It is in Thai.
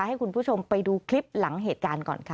ให้คุณผู้ชมไปดูคลิปหลังเหตุการณ์ก่อนค่ะ